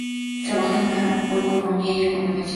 Trabaja en macroeconomía y econometría.